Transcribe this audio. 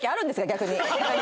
逆に。